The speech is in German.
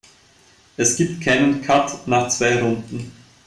Es gibt keinen Cut nach zwei Runden.